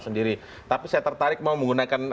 sementara golkar ingin menggunakan